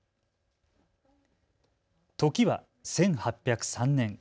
時は１８０３年。